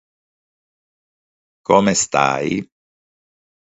Tokyo trovò qui, infatti, la spiaggia che non aveva mai avuto.